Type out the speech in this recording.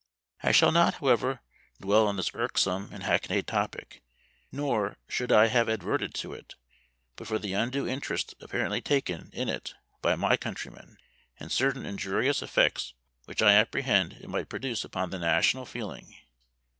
I shall not, however, dwell on this irksome and hackneyed topic; nor should I have adverted to it, but for the undue interest apparently taken in it by my countrymen, and certain injurious effects which I apprehend it might produce upon the national feeling.